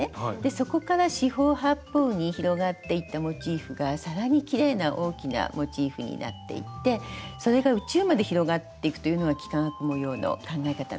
そこから四方八方に広がっていったモチーフが更にきれいな大きなモチーフになっていってそれが宇宙まで広がっていくというのが幾何学模様の考え方なんですね。